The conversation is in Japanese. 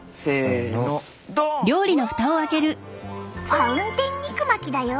ファウンテン肉巻きだよ。